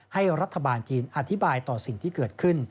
ให้รัฐบาลจีนอธิบายต่อสิ่งที่เกิดขึ้น